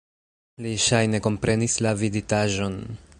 Li ŝajne komprenis la viditaĵon.